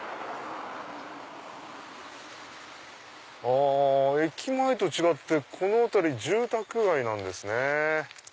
あ駅前と違ってこの辺り住宅街なんですね。